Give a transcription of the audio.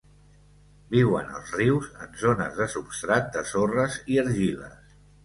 Viuen als rius en zones de substrat de sorres i argiles.